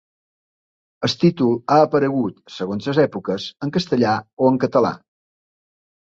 El títol ha aparegut, segons les èpoques, en castellà o en català.